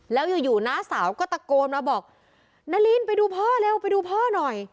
แล้วอยู่อยู่น้าสาวก็ตะโกนมาบอกนารินไปดูพ่อเร็วไปดูพ่อหน่อย